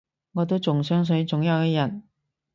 我都仲相信，總有一日